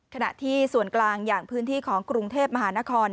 ขณะที่ส่วนกลางอย่างพื้นที่ของกรุงเทพมหานคร